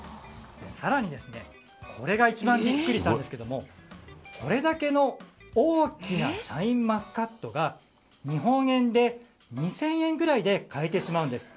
更に、これが一番びっくりしたんですけどもこれだけの大きなシャインマスカットが日本円で２０００円ぐらいで買えてしまうんです。